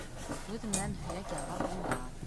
- Һүҙ менән һөйәк ялғап булмаҫ.